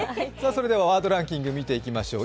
それではワードランキング見ていきましょう。